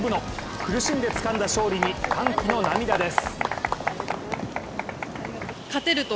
苦しんでつかんだ勝利に歓喜の涙です。